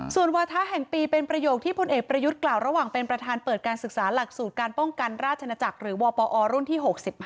ส่วนวาทะแห่งปีเป็นประโยคที่พลเอกประยุทธ์กล่าวระหว่างเป็นประธานเปิดการศึกษาหลักสูตรการป้องกันราชนาจักรหรือวปอรุ่นที่๖๕